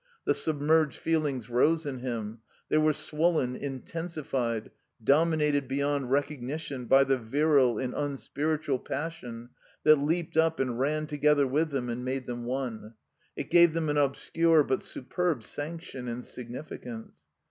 The submerged feelings rose in him; they were swollen, intensified, dominated beyond recognition by the virile and tm spiritual passion that leaped up and ran together with them and made them one. It gave them an obscure but superb sanction and significance.